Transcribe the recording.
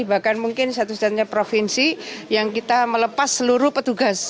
bahkan mungkin satu satunya provinsi yang kita melepas seluruh petugas